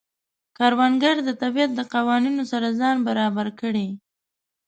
کروندګر د طبیعت د قوانینو سره ځان برابر کړي